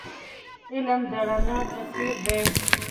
علم د رڼا په څیر دی .